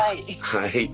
はい。